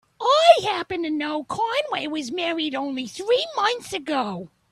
I happen to know Conway was married only three months ago.